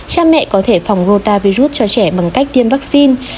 cha mẹ có thể phòng rotavirus cho trẻ bằng cách tiêm vaccine